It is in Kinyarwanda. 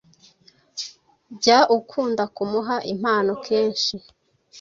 Jya ukunda kumuha impano kenshi